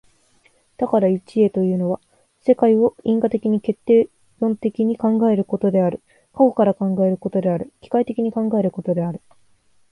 多から一へというのは、世界を因果的に決定論的に考えることである、過去から考えることである、機械的に考えることである。